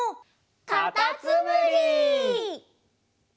かたつむり！